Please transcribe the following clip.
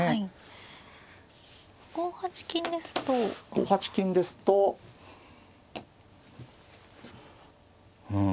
５八金ですとうん。